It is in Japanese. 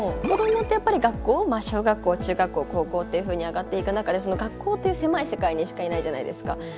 子どもってやっぱり学校小学校中学校高校っていうふうに上がっていく中で学校っていう狭い世界にしかいないじゃないですか。